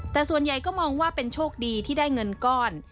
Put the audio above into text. แต่ส่วนใหญ่ก็มองว่าเป็นโชคดีที่ได้เงินก้อน